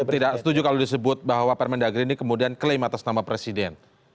jadi anda tidak setuju kalau disebut bahwa permendagri ini kemudian klaim atas nama presiden